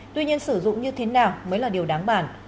tuy nhiên sử dụng như thế nào mới là điều đáng bàn